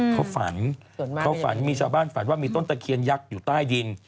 เขาฝันเขาฝันมีชาวบ้านฝันว่ามีต้นตะเคียนยักษ์อยู่ใต้ดิน